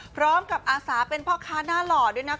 พร้อมกับอาสาเป็นพ่อค้าน่าหล่อด้วยนะคุณ